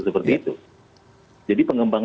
seperti itu jadi pengembang